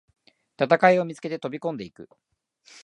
戦いを見つけて飛びこんでいく